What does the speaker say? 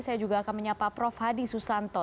saya juga akan menyapa prof hadi susanto